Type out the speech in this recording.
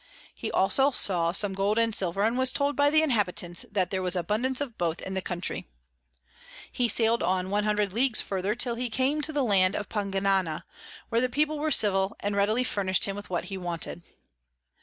He also saw some Gold and Silver, and was told by the Inhabitants that there was abundance of both in the Country. He sail'd on 100 Leagues further, till he came to the Land of Pagnana, where the People were civil, and readily furnish'd him with what he wanted.